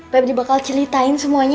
pebri bakal ceritain semuanya